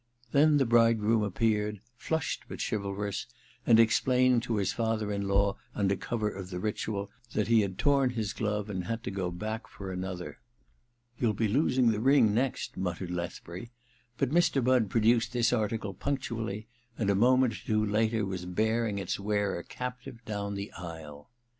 Then the bridegroom appeared, flushed but chivalrous, and explaining to his father in law under cover of the ritual that he had torn his glove and had to go back for another. * You'll be losing the ring next,' muttered Lethbury ; but Mr. Budd produced this article punctually, and a moment or two later was bearing its wearer captive down the aisle.